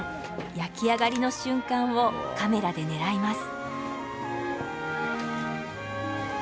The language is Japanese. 焼き上がりの瞬間をカメラで狙います。